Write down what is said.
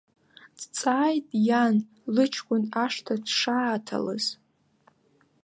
Дҵааит иан, лыҷкәын ашҭа дшааҭалаз.